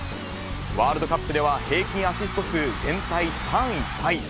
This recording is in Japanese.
ワールドカップでは、平均アシスト数全体３位タイ。